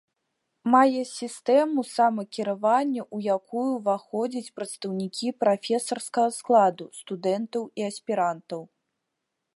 Мае сістэму самакіравання, у якую ўваходзяць прадстаўнікі прафесарскага складу, студэнтаў і аспірантаў.